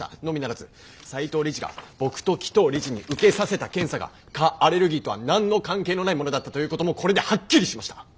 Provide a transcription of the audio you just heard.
のみならず斎藤理事が僕と鬼頭理事に受けさせた検査が蚊アレルギーとは何の関係のないものだったということもこれではっきりしました。